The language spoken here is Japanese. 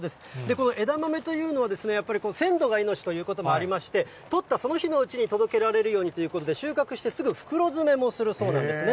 この枝豆というのは、やっぱり鮮度が命ということもありまして、取ったその日のうちに届けられるようにということで、収穫してすぐ袋詰めもするそうなんですね。